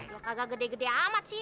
ya tidak besar sekali